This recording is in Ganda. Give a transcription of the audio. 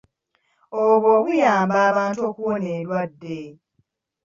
Obwo buyamba abantu okuwona endwadde.